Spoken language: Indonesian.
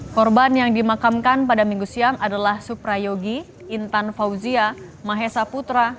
korban yang dimakamkan pada minggu siang adalah suprayogi intan fauzia mahesa putra